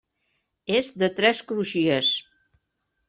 És de tres crugies.